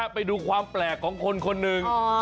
ไปดูความแปลกของคนคนหนึ่ง